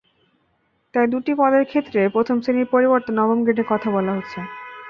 তাই দুটি পদের ক্ষেত্রে প্রথম শ্রেণির পরিবর্তে নবম গ্রেডের কথা বলা হচ্ছে।